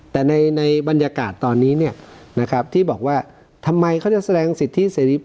แต่ในบรรยากาศตอนนี้เนี่ยนะครับที่บอกว่าทำไมเขาจะแสดงสิทธิเสรี